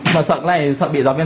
tạo hành bao nhiêu